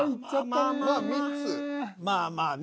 まあまあね。